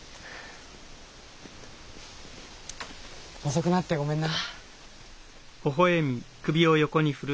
遅くなってごめんな。